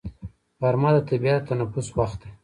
غرمه د طبیعت د تنفس وخت دی